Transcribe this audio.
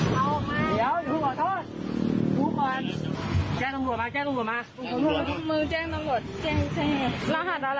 อย่าพูดขอโทษดูก่อนแก้ตรงส่วนมาแก้ตรงส่วนมา